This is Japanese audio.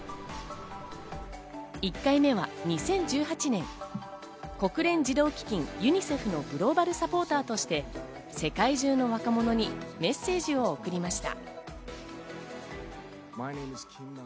１回目は２０１８年、国連児童基金ユニセフのグローバルサポーターとして世界中の若者にメッセージを送りました。